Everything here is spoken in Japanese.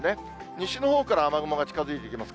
西のほうから雨雲が近づいてきます。